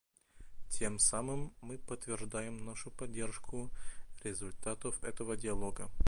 Тем самым мы подтверждаем нашу поддержку результатов этого диалога.